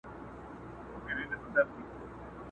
د خپلي مور پوړنی وړي د نن ورځي غازیان؛